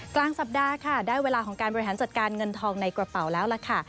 กลางสัปดาห์ค่ะได้เวลาของการบริหารจัดการเงินทองในกระเป๋าแล้วล่ะค่ะ